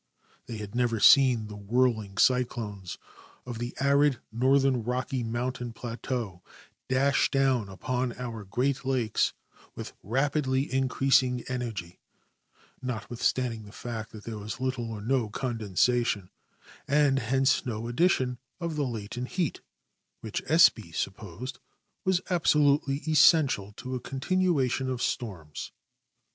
They had never seen the whirling cyclones of the arid northern Rocky Mountain plateau dash down upon our Great Lakes with rapidly increasing energy, notwithstanding the fact that there was little or no condensation, and hence no addition of the latent heat which'Esp}^ supposed was absolutely essential to a continuation of storms.